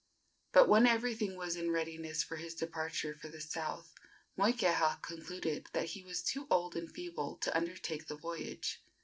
But when everything was in readiness for his departure for the south, Moikeha concluded that he was too old and feeble to undertake the voyage.